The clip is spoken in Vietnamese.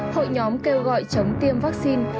hội nhóm kêu gọi chống tiêm vaccine